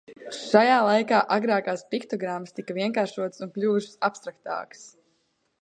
Šajā laikā agrākās piktogrammas tika vienkāršotas un kļuvušas abstraktākas.